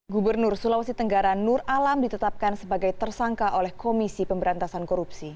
gubernur sulawesi tenggara nur alam ditetapkan sebagai tersangka oleh komisi pemberantasan korupsi